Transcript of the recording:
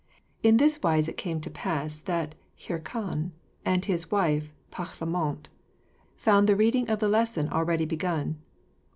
(1) In this wise it came to pass that Hircan and his wife Parlamente found the reading of the lesson already begun.